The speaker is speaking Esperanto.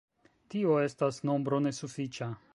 Tio estas nombro nesufiĉa.